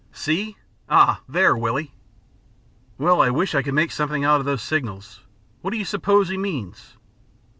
See? Ah, there, Willie!" "Well, I wish I could make something out of those signals. What do you suppose he means?"